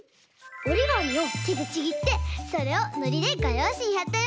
おりがみをてでちぎってそれをのりでがようしにはったよ。